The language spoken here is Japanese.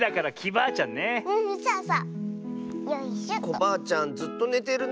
コバアちゃんずっとねてるね。